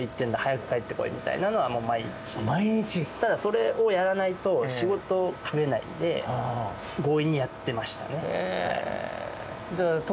ただ、それをやらないと仕事、増えないので強引にやっていました。